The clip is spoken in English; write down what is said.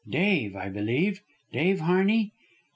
Dave, I believe, Dave Harney?"